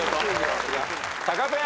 タカペア。